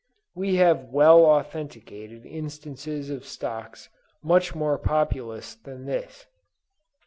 We have well authenticated instances of stocks much more populous than this.